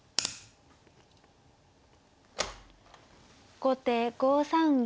後手５三銀。